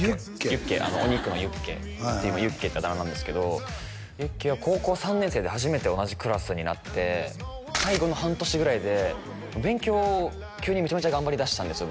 ユッケお肉のユッケユッケってあだ名なんですけどユッケは高校３年生で初めて同じクラスになって最後の半年ぐらいで勉強を急にめちゃめちゃ頑張りだしたんですよ